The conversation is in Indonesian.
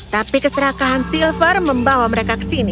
tapi keserakahan silver membawa mereka ke sini